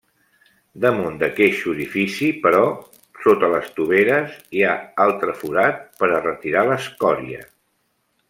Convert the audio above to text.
Damunt d'aqueix orifici, però sota les toveres, hi ha altre forat per a retirar l'escòria.